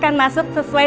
nomor urut ya